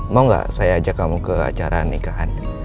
mau nggak saya ajak kamu ke acara nikahan